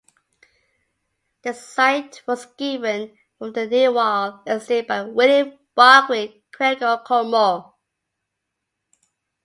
The site was given from the Newhall estate by William Barwick Cregoe Colmore.